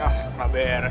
ah gak beres nih